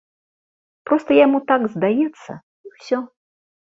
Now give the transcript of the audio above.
Проста яму так здаецца, і ўсё.